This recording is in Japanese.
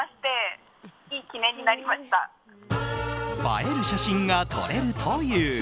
映える写真が撮れるという。